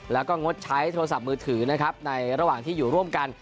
แล้วก็งดใช้โทรศัพท์มือถือนะครับในระหว่างที่อยู่ร่วมกัน